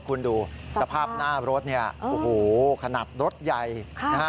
คุณดูสภาพหน้ารถเนี่ยโอ้โหขนาดรถใหญ่นะฮะ